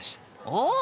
おっ！